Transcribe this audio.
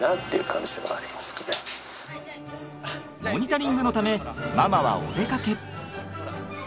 モニタリングのためママはおでかけ。